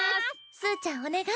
すうちゃんお願い。